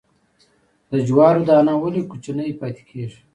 د جوارو دانه ولې کوچنۍ پاتې کیږي؟